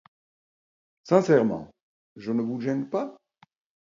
Sincèrement je ne vous gêne pas?